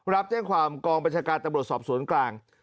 รับแจ้งความกองบัญชกาตรฯตบรวจสอบศูนย์กลาง